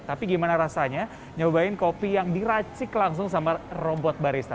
tapi gimana rasanya nyobain kopi yang diracik langsung sama robot barista